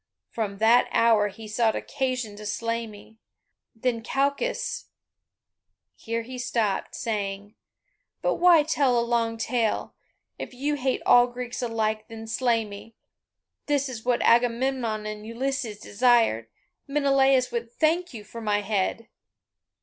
From that hour he sought occasion to slay me. Then Calchas " here he stopped, saying: "But why tell a long tale? If you hate all Greeks alike, then slay me; this is what Agamemnon and Ulysses desire; Menelaus would thank you for my head."